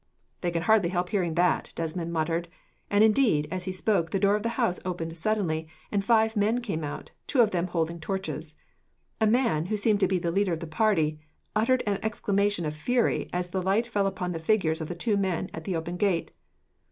"They can hardly help hearing that," Desmond muttered; and indeed, as he spoke, the door of the house opened suddenly, and five men came out, two of them holding torches. A man, who seemed to be the leader of the party, uttered an exclamation of fury as the light fell upon the figures of the two men at the open gate.